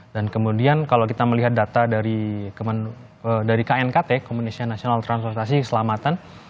dan kemudian kalau kita melihat data dari knkt komunisnya national transportation selamatan